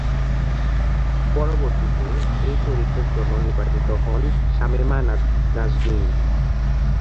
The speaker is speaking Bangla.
পরবর্তীতে এ চরিত্রের জন্য নির্বাচিত হন শামীমা নাজনীন।